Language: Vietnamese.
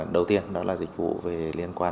đầu tiên đó là dịch vụ liên quan